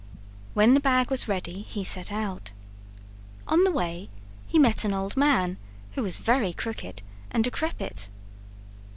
When the bag was ready lie set out. On the way he met an old man who was very crooked and decrepit.